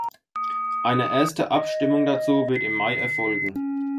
Eine erste Abstimmung dazu wird im Mai erfolgen.